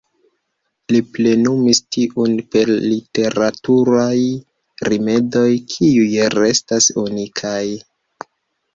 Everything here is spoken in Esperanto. Li plenumis tiun per literaturaj rimedoj kiuj restas unikaj.